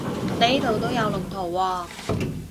呢度都有龍圖喎